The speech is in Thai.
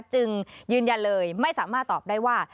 จึงยืนยันเลยไม่สามารถตอบได้ว่า